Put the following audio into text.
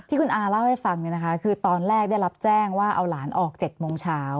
คุณอาเล่าให้ฟังคือตอนแรกได้รับแจ้งว่าเอาหลานออก๗โมงเช้า